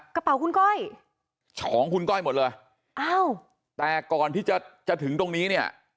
ของคุณก้อยของคุณก้อยหมดเลยแต่ก่อนที่จะถึงตรงนี้เนี่ย